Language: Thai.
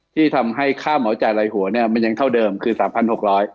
ที่ทำให้ค่าเหมาจ่ายลายหัวเนี่ยมันยังเท่าเดิมคือ๓๖๐๐บาท